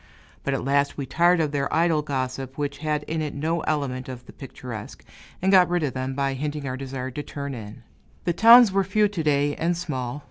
But at last we tired of their idle gossip, which had in it no element of the picturesque, and got rid of them by hinting our desire to turn in. The towns were few to day, and small.